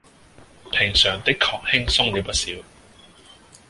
平常的確輕鬆了不少